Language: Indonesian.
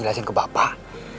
persoalan ke bapak